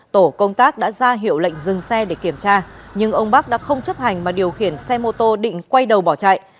tổ công tác đã ra hiệu lệnh dừng xe để kiểm tra nhưng ông bắc đã không chấp hành mà điều khiển xe mô tô định quay đầu bỏ chạy